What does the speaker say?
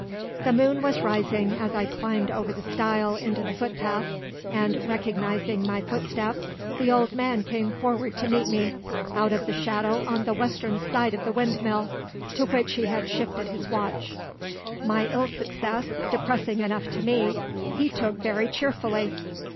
The moon was rising as I climbed over the stile into the footpath, and, recognizing my footstep, the old man came forward to meet me, out of the shadow on the western side of the windmill, to which he had shifted his watch. My ill success, depressing enough to me, he took very cheerfully.